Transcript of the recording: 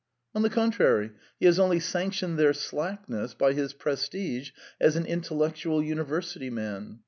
On the contrary, he has only sanctioned their slackness by his prestige as an intellectual university man.